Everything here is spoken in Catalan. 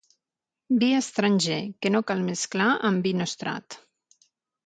Vi estranger, que no cal mesclar amb vi nostrat.